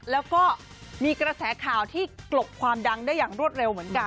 แล้วก็มีกระแสข่าวที่กลบความดังได้อย่างรวดเร็วเหมือนกัน